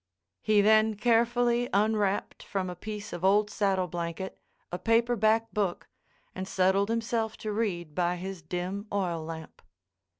He then carefully unwrapped from a piece of old saddle blanket a paperback book, and settled himself to read by his dim oil lamp.